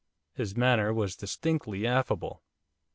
His manner was distinctly affable.